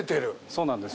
そうなんです。